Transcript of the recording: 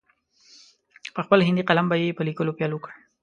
په خپل هندي قلم به یې په لیکلو پیل وکړ.